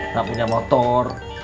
gak punya motor